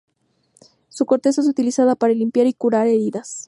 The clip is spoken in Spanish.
Su corteza es utilizada para limpiar y curar heridas.